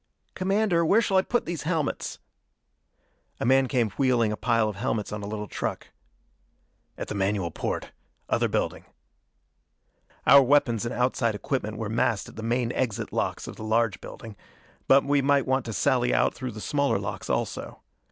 "Commander, where shall I put these helmets?" A man came wheeling a pile of helmets on a little truck. "At the manual porte other building." Our weapons and outside equipment were massed at the main exit locks of the large building. But we might want to sally out through the smaller locks also.